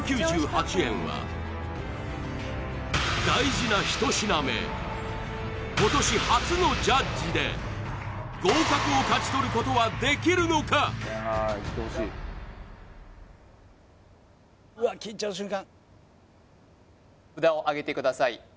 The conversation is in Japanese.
大事な一品目今年初のジャッジで合格を勝ち取ることはできるのか札をあげてください